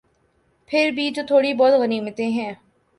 پھر بھی جو تھوڑی بہت غنیمتیں ہیں۔